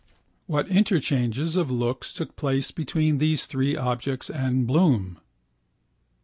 What interchanges of looks took place between these three objects and Bloom?